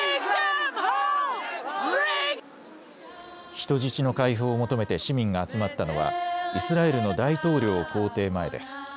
人質の解放を求めて市民が集まったのはイスラエルの大統領公邸前です。